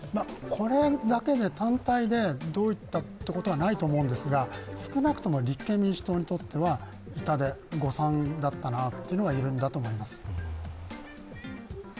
これだけで単体でどういったということはないと思うんですが少なくとも立憲民主党にとっては痛手、誤算だったなといえるんだと思います。